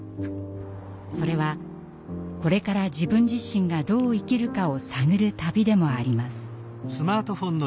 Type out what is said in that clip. それはこれから自分自身がどう生きるかを探る旅でもあります。